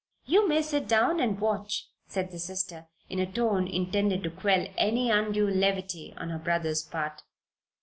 "You may sit down and watch," said his sister, in a tone intended to quell any undue levity on her brother's part.